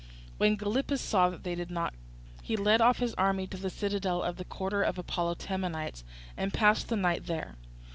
When Gylippus saw that they did not come on, he led off his army to the citadel of the quarter of Apollo Temenites, and passed the night there.